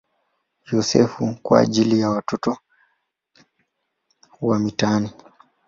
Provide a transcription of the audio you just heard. Yosefu" kwa ajili ya watoto wa mitaani.